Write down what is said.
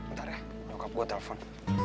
ntar ya bokap gue telfon